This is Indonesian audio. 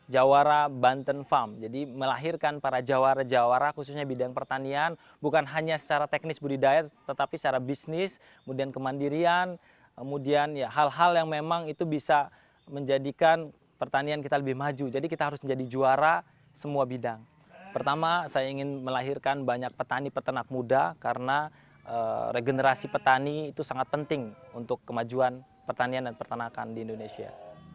generasi petani itu sangat penting untuk kemajuan pertanian dan pertanakan di indonesia